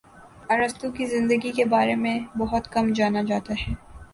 ارسطو کی زندگی کے بارے میں بہت کم جانا جاتا ہے